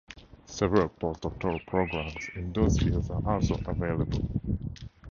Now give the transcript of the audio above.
Several post-doctoral programs in those fields are also available.